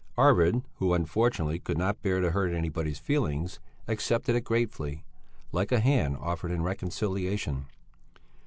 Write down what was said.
Arvid, who, unfortunately, could not bear to hurt anybody's feelings, accepted it gratefully, like a hand offered in reconciliation.